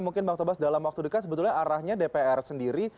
mungkin bang tobas dalam waktu dekat sebetulnya arahnya dpr sendiri